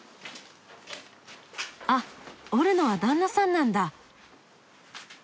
あっ織るのは旦那さんなんだ。